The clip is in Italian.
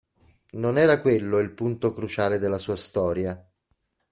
Non era quello il punto cruciale della sua storia.